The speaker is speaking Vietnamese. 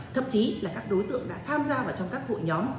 thậm chí là các đối tượng đã tham gia vào trong các hội nhóm